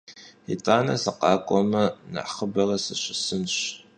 Yit'ane sıkhak'ueme, nexhıbere sışısınş.